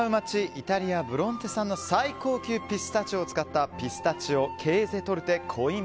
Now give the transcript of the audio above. イタリア・ブロンテ産の最高級ピスタチオを使ったピスタチオ・ケーゼ・トルテ